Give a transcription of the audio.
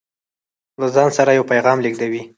له ځان سره يو پيغام لېږدوي